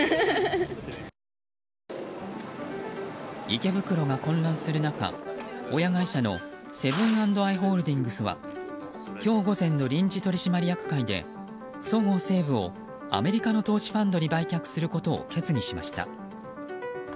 池袋が混乱する中、親会社のセブン＆アイ・ホールディングスは今日午前の臨時取締役会でそごう・西武をアメリカの投資ファンドに売却することを決議しました。